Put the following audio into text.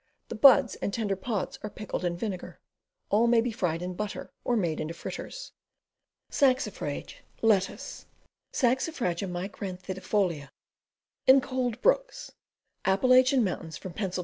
The buds and tender pods are pickled in vinegar. All may be fried in butter, or made into fritters. Saxifrage, Lettuce. Saxifraga micranthidifolia. In cold brooks. Appalachian Mts. from Pa.